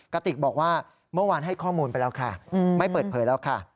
กระติกบอกว่าเมื่อวานให้ข้อมูลไปแล้วค่ะไม่เปิดเผยแล้วค่ะ